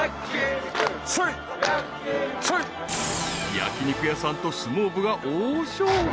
［焼き肉屋さんと相撲部が大勝負］